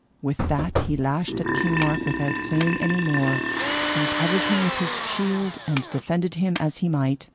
With that he lashed at King Mark without saying any more, and covered him with his shield and defended him as he might.